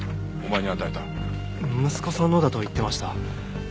息子さんのだと言ってました。